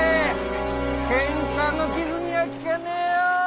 けんかの傷には効かねえよ！